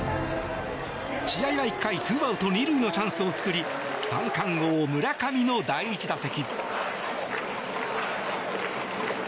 試合は１回、２アウト２塁のチャンスを作り三冠王、村上の第１打席。